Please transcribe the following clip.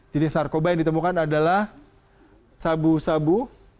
jenis narkoba yang ditemukan adalah sabu sabu